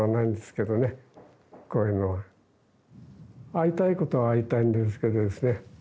会いたいことは会いたいんですけどね